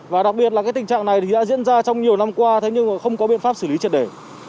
và đặc biệt là tình trạng này đã diễn ra trong nhiều năm qua thế nhưng không có biện pháp xử lý triệt để